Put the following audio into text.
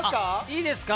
いいですか？